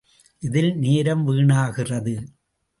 இதில் நேரம் வீணாகிறது.